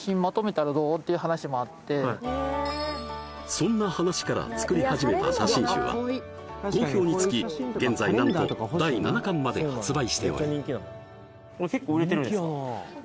そんな話から作り始めた写真集は好評につき現在なんと第７巻まで発売しており